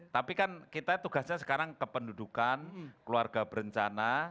tapi kan kita tugasnya sekarang kependudukan keluarga berencana